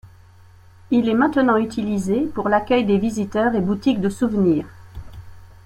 Il est maintenant utilisée pour l'accueil des visiteurs et boutique de souvenirs.